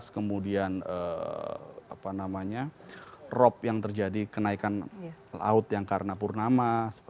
kemudian rop yang terjadi kenaikan laut yang karena purnama